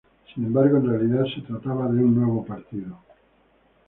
Sin embargo, en realidad se trataba de un nuevo partido.